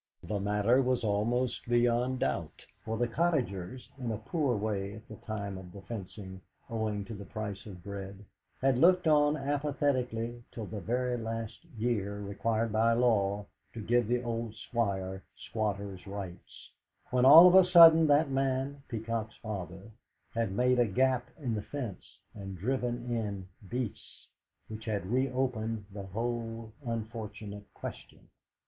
The matter was almost beyond doubt, for the cottagers in a poor way at the time of the fencing, owing to the price of bread had looked on apathetically till the very last year required by law to give the old Squire squatter's rights, when all of a sudden that man, Peacock's father, had made a gap in the fence and driven in beasts, which had reopened the whole unfortunate question.